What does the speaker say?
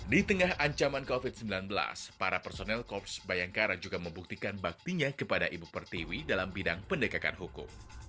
di tengah ancaman covid sembilan belas para personel korps bayangkara juga membuktikan baktinya kepada ibu pertiwi dalam bidang pendekatan hukum